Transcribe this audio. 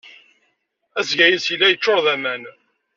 Asga-nnes yella yeccuṛ d aman.